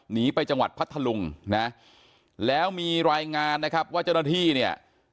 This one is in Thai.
หนีไปจังหวัดพัทธลุงนะแล้วมีรายงานนะครับว่าเจ้าหน้าที่เนี่ย